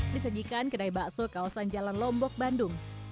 di segikan kedai bakso kawasan jalan lombok bandung